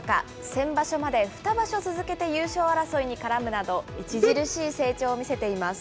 先場所まで２場所続けて優勝争いに絡むなど、著しい成長を見せています。